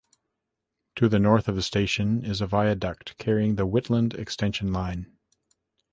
To the north of the station is a viaduct carrying the Whitland extension line.